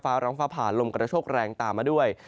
ฟ้าร้องฟ้าผ่าลมกระโชคแรงตามมาด้วย